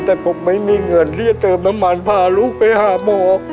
แต่ผมไม่มีเงินที่จะเติมน้ำมันพาลูกไปหาหมอ